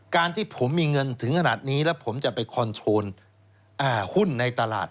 ที่ผมมีเงินถึงขนาดนี้แล้วผมจะไปคอนโทรลหุ้นในตลาด